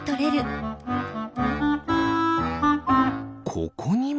ここにも。